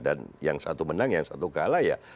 dan yang satu menang yang satu kalah ya